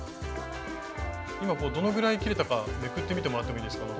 今どのぐらい切れたかめくってみてもらってもいいですか？